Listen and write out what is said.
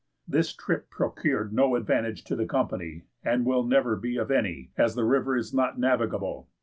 This trip procured no advantage to the company, and will never be of any, as the river is not navigable.